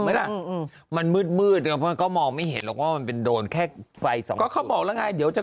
ไหมละมันมืดหมื่นแล้วก็มองไหมเห็นว่ามันเป็นโดนแกได้สองราวนะฮะเดี๋ยวจะ